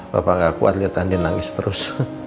papa gak kuat liat andien nangis terus